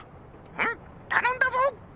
「うむたのんだぞ！」。